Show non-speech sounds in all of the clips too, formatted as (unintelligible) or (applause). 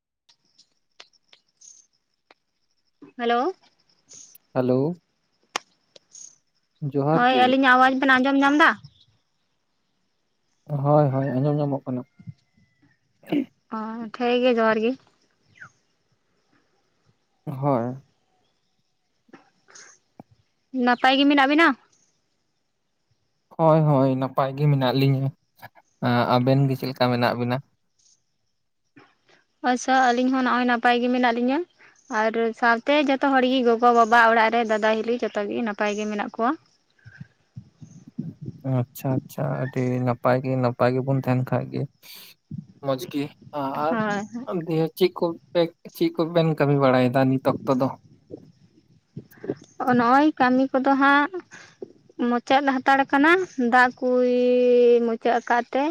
(inaudible) Hello. Hello. ᱡᱚᱦᱟᱨ ᱦᱳᱭ ᱜᱮ ᱟᱹᱞᱤᱧᱟᱜ ᱟᱣᱟᱡ ᱵᱮᱱ ᱟᱸᱡᱚᱢ ᱧᱟᱢ ᱮᱫᱟ? ᱦᱳᱭ ᱦᱳᱭ ᱟᱸᱡᱚᱢ ᱧᱟᱢᱚᱜ ᱠᱟᱱᱟ᱾ ᱚ (unintelligible) ᱜᱮ ᱡᱚᱦᱟᱨ ᱜᱮ᱾ ᱦᱚᱭ᱾ ᱱᱟᱯᱟᱭ ᱜᱮ ᱢᱮᱱᱟᱜ ᱵᱮᱱᱟ? ᱦᱳᱭ ᱦᱳᱭ ᱱᱟᱯᱟᱭ ᱜᱮ ᱢᱮᱱᱟᱜ ᱞᱤᱧᱟᱹ᱾ ᱟᱵᱮᱱ ᱜᱮ ᱪᱮᱫ ᱞᱮᱠᱟ ᱢᱮᱱᱟᱜ ᱵᱮᱱᱟ? ᱟᱪᱪᱷᱟ ᱟᱹᱞᱤᱧ ᱦᱚᱸ ᱱᱚᱜᱼᱚᱭ ᱱᱟᱯᱟᱭ ᱜᱮ ᱢᱮᱱᱟᱜ ᱞᱤᱧᱟᱹ᱾ ᱟᱨ ᱥᱟᱶᱛᱮ ᱡᱚᱛᱚ ᱦᱚᱲ ᱜᱮ ᱜᱚᱜᱚ, ᱵᱟᱵᱟ ᱚᱲᱟᱜ ᱨᱮ ᱫᱟᱫᱟ, ᱦᱤᱞᱤ ᱡᱚᱛᱚ ᱜᱮ ᱱᱟᱯᱟᱭ ᱜᱮ ᱢᱮᱱᱟᱜ ᱠᱚᱣᱟ᱾ ᱟᱪᱪᱷᱟ ᱟᱪᱪᱷᱟ ᱟᱹᱰᱤ ᱱᱟᱯᱟᱭ ᱜᱮ ᱱᱟᱯᱟᱭ ᱜᱮᱵᱚᱱ ᱛᱟᱦᱮᱸᱱ ᱠᱷᱟᱡ ᱜᱮ᱾ ᱢᱚᱡᱽ ᱜᱮ᱾ ᱟᱨ ᱪᱮᱫ ᱠᱚ ᱯᱮ, ᱪᱮᱫ ᱠᱚᱵᱮᱱ ᱠᱟᱹᱢᱤ ᱵᱟᱲᱟᱭᱮᱫᱟ ᱱᱤᱛ ᱚᱠᱛᱚ ᱫᱚ? ᱦᱚᱜ-ᱚ ᱱᱚᱜᱼᱚᱭ ᱠᱟᱹᱢᱤ ᱠᱚᱫᱚ ᱦᱟᱸᱜ ᱢᱩᱪᱟᱹᱫ ᱞᱮ ᱦᱟᱛᱟᱲ ᱠᱟᱱᱟ, ᱫᱟᱜ ᱠᱩᱭ ᱢᱩᱪᱟᱹᱫ ᱟᱠᱟᱜ ᱛᱮ᱾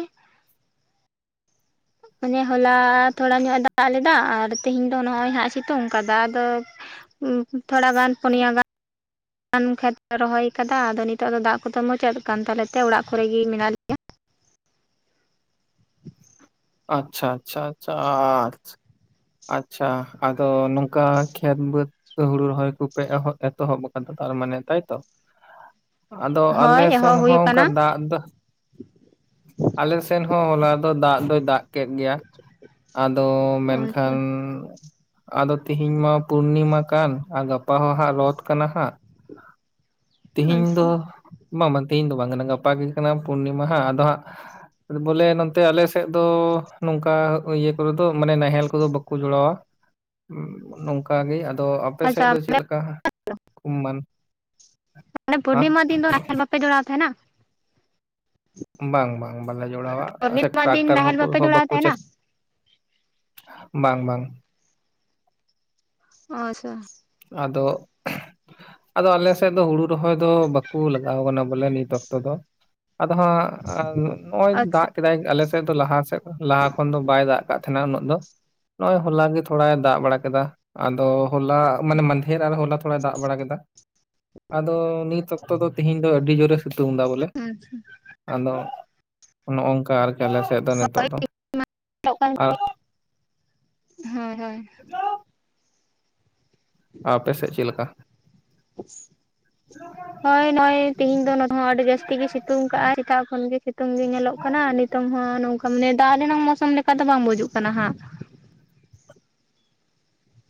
ᱚᱱᱮ ᱦᱚᱞᱟ ᱛᱷᱚᱲᱟ ᱧᱚᱜ ᱮ ᱫᱟᱜ ᱞᱮᱫᱟ ᱟᱨ ᱛᱮᱦᱮᱧ ᱫᱚ ᱱᱚᱜ-ᱚᱭ ᱦᱟᱸᱜ ᱮ ᱥᱤᱛᱩᱝ ᱠᱟᱫᱟ, ᱟᱫᱚ (unintelligible) ᱛᱷᱚᱲᱟ ᱜᱟᱱ ᱯᱚᱱᱮᱭᱟ ᱜᱟᱱ (unintelligible) ᱟᱱ ᱠᱷᱮᱛ ᱞᱮ ᱨᱚᱦᱚᱭ ᱠᱟᱫᱟ ᱟᱫᱚ ᱱᱤᱛᱚᱜ ᱫᱚ ᱫᱟᱜ ᱠᱚᱫᱚ ᱢᱩᱪᱟᱹᱫ ᱠᱟᱱ ᱛᱟᱞᱮ ᱛᱮ ᱚᱲᱟᱜ ᱠᱚᱨᱮ ᱜᱮ ᱢᱮᱱᱟᱜ ᱞᱮᱭᱟ᱾ ᱟᱪᱪᱷᱟ ᱟᱪᱪᱷᱟ ᱟᱪᱪᱷᱟ (unintelligible) ᱟᱪᱪᱷᱟ ᱟᱫᱚ ᱱᱚᱝᱠᱟ ᱠᱷᱮᱛ ᱵᱟᱹᱫᱽ ᱠᱚ ᱦᱩᱲᱩ ᱨᱚᱦᱚᱭ ᱠᱚᱯᱮ ᱮᱦᱚᱵ ᱮᱛᱚᱦᱚᱵ ᱟᱠᱟᱫᱟ ᱛᱟᱨ ᱢᱟᱱᱮ ᱛᱟᱭ ᱛᱚ? ᱟᱫᱚ ᱞᱮᱭᱟ᱾ ᱦᱳᱭ ᱟᱞᱮ ᱮᱦᱚᱵ ᱥᱮᱱ ᱦᱩᱭ ᱦᱚᱸ ᱚᱝᱠᱟ ᱟᱠᱟᱱᱟ ᱫᱟᱜ ᱫᱚ ᱟᱞᱮ ᱥᱮᱱ ᱦᱚᱸ ᱦᱚᱞᱟ ᱫᱚ ᱫᱟᱜ ᱫᱚᱭ ᱫᱟᱜ ᱠᱮᱫ ᱜᱮᱭᱟ᱾ ᱟᱫᱚ ᱢᱮᱱᱠᱷᱟᱱ, ᱟᱫᱚ ᱛᱤᱦᱤᱧ ᱢᱟ ᱯᱩᱨᱱᱤᱢᱟ ᱠᱟᱱ ᱟᱨ, ᱜᱟᱯᱟ ᱦᱚᱸ ᱦᱟᱸᱜ ᱨᱚᱛ ᱠᱟᱱᱟ ᱦᱟᱸᱜ, ᱛᱮᱦᱤᱧ ᱫᱚ, ᱟᱪᱪᱷᱟ ᱵᱟᱝ ᱵᱟᱝ ᱛᱮᱦᱤᱧ ᱫᱚ ᱵᱟᱝ ᱠᱟᱱᱟ ᱜᱟᱯᱟ ᱜᱮ ᱠᱟᱱᱟ ᱯᱩᱨᱱᱤᱢᱟ ᱦᱟᱸᱜ ᱟᱫᱚ ᱦᱟᱸᱜ, ᱵᱚᱞᱮ ᱱᱚᱱᱛᱮ ᱟᱞᱮ ᱥᱮᱜᱫᱚ ᱱᱚᱝᱠᱟ ᱤᱭᱟᱹ ᱠᱚᱨᱮ ᱫᱚ ᱢᱟᱱᱮ ᱱᱟᱦᱮᱞ ᱠᱚᱫᱚ ᱵᱟᱠᱚ ᱡᱚᱲᱟᱣᱟ᱾ ᱱᱚᱝᱠᱟ ᱜᱮ, ᱟᱫᱚ ᱟᱯᱮ ᱟᱪᱪᱷᱟ ᱥᱮᱫ ᱫᱚ ᱪᱮᱫ ᱞᱮᱠᱟ ᱠᱩ ᱢᱟ ᱢᱟᱱᱮ ᱯᱩᱨᱱᱤᱢᱟ ᱫᱤᱱ ᱫᱚ ᱱᱟᱦᱮᱞ ᱵᱟᱯᱮ ᱡᱚᱲᱟᱣ ᱛᱟᱦᱮᱸᱱᱟ? ᱵᱟᱝ ᱵᱟᱝ ᱵᱟᱞᱮ ᱡᱚᱲᱟᱣᱟ, ᱟ ᱥᱮ ᱯᱩᱨᱱᱤᱢᱟ ᱫᱤᱱ ᱴᱨᱟᱠᱴᱟᱨ ᱱᱟᱦᱮᱞ ᱦᱚᱸ ᱠᱚ ᱵᱟᱯᱮ ᱦᱚᱸ ᱡᱚᱲᱟᱣ ᱵᱟᱠᱚ ᱪᱟ ᱛᱟᱦᱮᱱᱟ ᱵᱟᱝ ᱵᱟᱝ। ᱟᱪᱪᱷᱟ। ᱟᱫᱚ ᱟᱫᱚ ᱟᱞᱮ ᱥᱮᱫ ᱫᱚ ᱦᱩᱲᱩ ᱨᱚᱦᱚᱭ ᱫᱚ ᱵᱟᱠᱚ ᱞᱟᱜᱟᱣ ᱟᱠᱟᱱᱟ ᱵᱚᱞᱮ ᱱᱤᱛ ᱚᱠᱛᱚ ᱫᱚ, ᱟᱫᱚ ᱦᱟᱸᱜ ᱟᱨ ᱱᱚᱜ ᱱᱚᱜ-ᱚᱭ ᱟᱪᱪᱷᱟ ᱫᱟᱜ ᱠᱮᱫᱟᱭ ᱟᱞᱮ ᱥᱮᱫ ᱫᱚ ᱞᱟᱦᱟ ᱥᱮᱫ, ᱞᱟᱦᱟ ᱠᱷᱚᱱ ᱫᱚ ᱵᱟᱭ ᱫᱟᱜ ᱠᱟᱜ ᱛᱟᱦᱮᱸᱱᱟ ᱩᱱᱟᱹᱜ ᱫᱚ᱾ ᱱᱚᱜ-ᱚᱭ ᱦᱚᱞᱟ ᱜᱮ ᱛᱷᱚᱲᱟᱭ ᱫᱟᱜ ᱵᱟᱲᱟ ᱠᱮᱫ, ᱟᱫᱚ ᱦᱚᱞᱟ ᱢᱟᱱᱮ ᱢᱟᱫᱷᱮᱨ ᱟᱨ ᱦᱚᱞᱟ ᱛᱷᱚᱲᱟᱭ ᱫᱟᱜ ᱵᱟᱲᱟ ᱠᱮᱫᱟ, ᱟᱫᱚ ᱱᱤᱛ ᱚᱠᱛᱚ ᱫᱚ ᱛᱤᱦᱮᱧ ᱫᱚ ᱟᱹᱰᱤ ᱡᱳᱨᱮ ᱥᱤᱛᱩᱝ ᱮᱫᱟ ᱵᱚᱞᱮ, ᱦᱳᱭ ᱟᱫᱚ ᱱᱚᱜ-ᱚ ᱚᱝᱠᱟ ᱟᱨᱠᱤ ᱟᱞᱮ ᱥᱮᱜ ᱫᱚ ᱱᱤᱛᱚᱜ ᱫᱚ, ᱟᱨ ᱦᱳᱭ ᱦᱳᱭ᱾ ᱟᱨ ᱟᱯᱮ ᱥᱮᱷ ᱪᱮᱜ ᱞᱮᱠᱟ? (inaudible) (inaudible) ᱦᱳᱭ ᱱᱚᱜ-ᱚᱭ, ᱛᱮᱦᱮᱧ ᱫᱚ ᱱᱚᱰᱮ ᱦᱚᱸ ᱟᱹᱰᱤ ᱡᱟᱹᱥᱛᱤ ᱜᱮ ᱥᱤᱛᱩᱝ ᱠᱟᱜᱼᱟᱭ ᱥᱮᱛᱟᱜ ᱠᱷᱚᱱ ᱜᱮ ᱥᱤᱛᱩᱝ ᱜᱮ ᱧᱮᱞᱚᱜ ᱠᱟᱱᱟ, ᱱᱤᱛ ᱛᱚᱝ ᱦᱚᱸ ᱱᱚᱝᱠᱟ ᱢᱟᱱᱮ ᱫᱟᱜ ᱨᱮᱱᱟᱜ ᱢᱳᱣᱥᱳᱢ ᱞᱮᱠᱟ ᱫᱚ ᱵᱟᱝ ᱵᱩᱡᱩᱜ ᱠᱟᱱᱟ ᱦᱟᱸᱜ।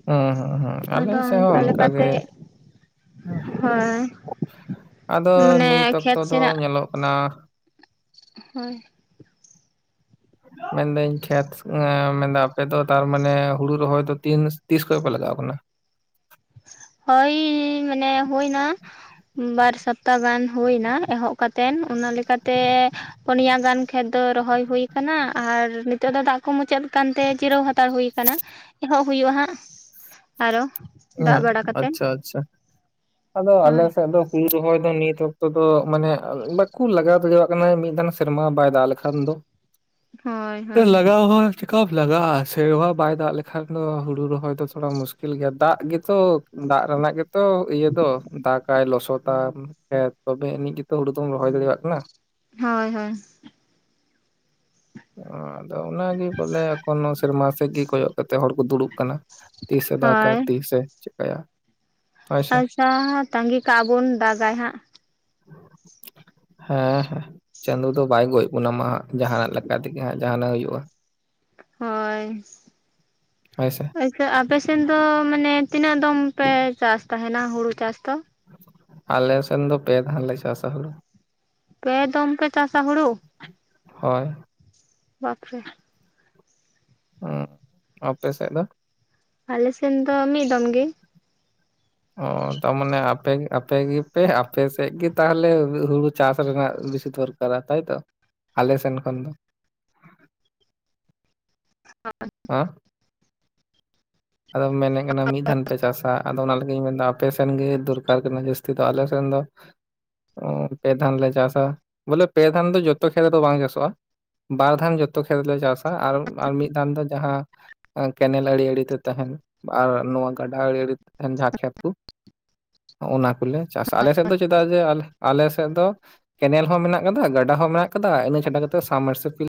ᱦᱩᱸ ᱦᱩᱸ ᱦᱩᱸ ᱟᱞᱮ ᱟᱫᱚ ᱥᱮ ᱚᱱᱠᱟ ᱦᱚᱸ ᱚᱱᱠᱟᱜᱮ᱾ ᱞᱮᱠᱟᱛᱮ ᱦᱳᱭ ᱟᱫᱚ ᱢᱟᱱᱮ ᱱᱤᱛ ᱚᱠᱛᱚ ᱠᱷᱮᱛ ᱫᱚ ᱥᱮᱱᱟᱜ ᱧᱮᱞᱚᱜ ᱠᱟᱱᱟ ᱦᱳᱭ। ᱢᱮᱱᱫᱟᱹᱧ ᱠᱷᱮᱛ, ᱢᱮᱱᱫᱟᱧ ᱟᱯᱮᱫᱚ ᱛᱟᱨᱢᱟᱱᱮ ᱦᱩᱲᱩ ᱨᱚᱦᱚᱭ ᱫᱚ, ᱛᱤᱱ ᱛᱤᱥ ᱠᱷᱚᱡ ᱯᱮ ᱞᱟᱜᱟᱣ ᱟᱠᱟᱱᱟ? ᱦᱳᱭ ᱢᱟᱱᱮ ᱦᱩᱭ ᱱᱟ᱾ ᱵᱟᱨ ᱥᱚᱯᱛᱟ ᱜᱟᱱ ᱦᱩᱭ ᱮᱱᱟ᱾ ᱮᱦᱚᱵ ᱠᱟᱛᱮ ᱚᱱᱟ ᱞᱮᱠᱟᱛᱮ ᱯᱚᱱᱭᱟ ᱜᱟᱱ ᱠᱷᱮᱛ ᱫᱚ ᱨᱚᱦᱚᱭ ᱦᱩᱭ ᱟᱠᱟᱱᱟ ᱾ ᱟᱨ ᱱᱤᱛᱚᱜ ᱫᱚ ᱫᱟᱜ ᱠᱚ ᱢᱩᱪᱟᱹᱫ ᱠᱟᱱᱛᱮ ᱡᱤᱨᱟᱹᱣ ᱦᱟᱛᱟᱲ ᱦᱩᱭ ᱟᱠᱟᱱᱟ। ᱮᱦᱚᱵ ᱦᱩᱭᱩᱜ-ᱟ ᱦᱟᱸᱜ ᱟᱨᱚ। ᱦᱮᱸ ᱫᱟᱜ ᱵᱟᱲᱟ ᱠᱟᱛᱮᱫ ᱟᱪᱪᱷᱟ - ᱟᱪᱪᱷᱟ ᱟᱫᱚ ᱟᱞᱮ ᱦᱳᱭ ᱥᱮᱫ ᱫᱚ ᱦᱩᱲᱩ ᱥᱚᱢᱚᱭ ᱫᱚ ᱱᱤᱛ ᱚᱠᱛᱚ ᱫᱚ ᱢᱟᱱᱮ, ᱵᱟᱠᱚ ᱞᱟᱜᱟᱣ ᱫᱟᱲᱮᱣᱟᱜ ᱠᱟᱱᱟ ᱾ ᱢᱤᱫ ᱫᱷᱟᱣ ᱥᱮᱨᱢᱟ ᱵᱟᱭ ᱫᱟᱜ ᱞᱮᱠᱷᱟᱱ ᱫᱚ। ᱦᱳᱭ ᱦᱳᱭ ᱞᱟᱜᱟᱣ ᱦᱚᱭ ᱪᱮᱠᱟᱯ ᱞᱟᱜᱟᱜᱼᱟ᱾ ᱥᱮᱨᱢᱟ ᱵᱟᱭ ᱫᱟᱜ ᱞᱮᱠᱷᱟᱱ ᱫᱚ ᱾ ᱦᱩᱲᱩ ᱨᱚᱦᱚᱭ ᱫᱚ ᱛᱷᱚᱲᱟ ᱢᱩᱥᱠᱤᱞ ᱜᱮᱭᱟ। ᱫᱟᱜ ᱜᱮᱛᱚ, ᱫᱟᱜ ᱨᱮᱱᱟᱜ ᱜᱮᱛᱚ ᱤᱭᱟᱹ ᱫᱚ, ᱫᱟᱜᱟᱭ ᱞᱚᱥᱚᱫᱟᱢ ᱠᱷᱮᱛ। ᱛᱚᱵᱮ ᱮᱱᱤᱡ ᱜᱮᱛᱚ, ᱦᱩᱲᱩ ᱫᱚᱢ ᱨᱚᱦᱚᱭ ᱫᱟᱲᱮᱭᱟ-ᱜ ᱠᱟᱱᱟ। ᱦᱳᱭ ᱦᱳᱭ। ᱟᱫᱚ ᱚᱱᱟᱜᱮ ᱵᱚᱞᱮ ᱮᱠᱷᱚᱱ ᱥᱮᱨᱢᱟ, ᱥᱮᱫ ᱜᱮ ᱠᱚᱭᱚᱜ ᱠᱟᱛᱮᱜ ᱦᱚᱲ ᱠᱚ ᱫᱩᱲᱩᱵ ᱟᱠᱟᱱᱟ। ᱛᱤᱥᱮ ᱫᱟᱜᱟ, ᱦᱳᱭ ᱛᱤᱥᱮ ᱪᱤᱠᱟᱭᱟ ᱟᱪᱪᱷᱟ ᱛᱟᱺᱜᱤ ᱠᱟᱜᱼᱟ ᱵᱚᱱ, ᱫᱟᱜᱟᱭ ᱦᱟᱸᱜ। ᱦᱮᱸ, ᱦᱮᱸ ᱪᱟᱸᱫᱚ ᱫᱚ ᱵᱟᱭ ᱜᱚᱡ ᱵᱚᱱᱟ, ᱢᱟ ᱡᱟᱦᱟᱸ ᱱᱟᱜ ᱞᱟᱹᱠ ᱠᱟᱛᱮ ᱜᱮ ᱦᱟᱜ ᱡᱟᱦᱟᱸᱱᱟᱜ ᱦᱩᱭᱩᱜᱼᱟ। ᱦᱳᱭ ᱦᱳᱭ ᱥᱮ ᱮ ᱟᱯᱮᱥᱮᱱ ᱫᱚ, ᱢᱟᱱᱮ ᱛᱤᱱᱟᱹᱜ ᱫᱚᱢ ᱯᱮ, ᱪᱟᱥ ᱛᱟᱦᱮᱸᱱᱟ ᱦᱩᱲᱩ ᱪᱟᱥ ᱫᱚ? ᱟᱞᱮ ᱥᱮᱱ ᱫᱚ ᱯᱮ ᱫᱷᱟᱱ ᱞᱮ ᱪᱟᱥᱟ ᱦᱩᱲᱩ। ᱯᱮ ᱫᱚᱢ ᱯᱮ ᱪᱟᱥᱟ ᱦᱩᱲᱩ? ᱦᱚᱭ᱾ ᱵᱟᱯ ᱨᱮ᱾ ᱚᱸᱜ ᱟᱯᱮ ᱥᱮᱜ ᱫᱚ? ᱟᱞᱮ ᱥᱮᱱ ᱫᱚ ᱢᱤᱫ ᱫᱚᱢ ᱜᱤ᱾ ᱚᱻ ᱛᱟᱨᱢᱟᱱᱮ ᱟᱯᱮ ᱜᱤ, ᱟᱯᱮ ᱜᱤ ᱯᱮ ᱟᱯᱮ ᱥᱮᱡ ᱜᱮ ᱛᱟᱦᱚᱞᱮ ᱦᱩᱜ ᱦᱩᱲᱩ ᱪᱟᱥ ᱨᱮᱱᱟᱜ ᱵᱮᱥᱤ ᱫᱚᱨᱠ ᱠᱟᱨᱟ ᱛᱟᱭ ᱛᱚ, ᱟᱞᱮ ᱥᱮᱱ ᱠᱷᱚᱱ ᱫᱚ᱾ ᱮᱸᱜ ᱦᱚᱭ᱾ ᱟᱸ ᱾ ᱟᱫᱚ ᱢᱮᱱᱮᱜ ᱠᱟᱱᱟᱢ, ᱢᱤᱫ ᱫᱷᱟᱱ ᱯᱮ ᱪᱟᱥᱟ᱾ ᱟᱫᱚ ᱚᱱᱟ ᱞᱟᱹᱜᱤᱜ ᱤᱧ ᱢᱮᱱ ᱫᱟ ᱼᱼ ᱟᱯᱮ ᱥᱮᱱ ᱜᱮ ᱫᱚᱨᱠᱟᱨ ᱠᱟᱱᱟ? ᱡᱟᱹᱥᱛᱤ ᱫᱚ ᱟᱞᱮ ᱥᱮᱱ ᱫᱚᱼᱼ ᱚᱸᱻ ᱯᱮ ᱫᱷᱟᱱ ᱞᱮ ᱪᱟᱥᱟ ᱾ ᱵᱚᱞᱮ ᱯᱮ ᱫᱷᱟᱱ ᱫᱚ ᱡᱚᱛᱚ ᱠᱷᱮᱛ ᱨᱮᱫᱚ ᱵᱟᱝ ᱪᱟᱥᱚᱜ-ᱟ᱾ ᱵᱟᱨ ᱫᱷᱟᱱ ᱡᱚᱛᱚ ᱠᱷᱮᱛ ᱨᱮᱞᱮ ᱪᱟᱥᱟ᱾ ᱟᱨᱚ ᱟᱨ ᱢᱤᱫ ᱫᱷᱟᱱ ᱫᱚᱼᱼ ᱡᱟᱦᱟᱸ ᱠᱮᱱᱮᱞ ᱮᱸ ᱟᱹᱲᱤ ᱟᱹᱲᱤ ᱛᱮ ᱛᱮᱦᱮᱱ ᱾ ᱵᱟ ᱟᱨ ᱱᱚᱣᱟ ᱜᱟᱰᱟ ᱟᱹᱲᱤ ᱟᱹᱲᱤᱼᱼ ᱛᱮᱦᱮᱱ ᱡᱟᱦᱟᱸ ᱠᱷᱮᱛ ᱠᱩ, ᱚ ᱚᱱᱟ ᱠᱚᱞᱮ ᱪᱟᱥᱟ ᱟᱞᱮ ᱥᱮᱡ ᱫᱚ ᱪᱚᱫᱽᱼᱼ ᱪᱮᱫᱟᱜ ᱡᱮ, ᱟᱞ ᱟᱞᱮ ᱥᱮᱜ ᱫᱚᱼᱼ ᱠᱮᱱᱮᱞ ᱦᱚᱸ ᱢᱮᱱᱟᱜ ᱟᱠᱟᱫᱟ, ᱜᱟᱰᱟ ᱦᱚᱸ ᱢᱮᱱᱟᱜ ᱟᱠᱟᱫᱟ, ᱤᱱᱟᱹ ᱪᱷᱟᱰᱟ ᱠᱟᱛᱮᱜ ᱥᱟᱵᱽᱢᱟᱨᱥᱟᱹᱞ ᱯᱤᱞᱼᱼ